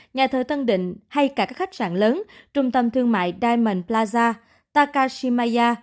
nhà thờ tân định hay cả các khách sạn lớn trung tâm thương mại diamond plaza takashima